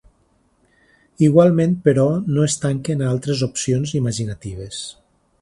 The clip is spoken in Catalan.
Igualment, però, no es tanquen a altres opcions “imaginatives”.